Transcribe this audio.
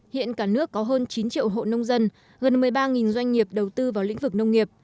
hiện cả nước có hơn chín triệu hộ nông dân gần một mươi ba doanh nghiệp đầu tư vào lĩnh vực nông nghiệp